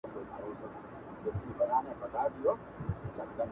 حتا خپل د پلرونو او نیکونو را پاتي ملي بیرغ